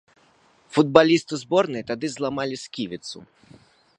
Футбалісту зборнай тады зламалі сківіцу.